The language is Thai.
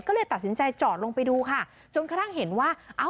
ก็เลยตัดสินใจจอดลงไปดูค่ะจนกระทั่งเห็นว่าเอ้า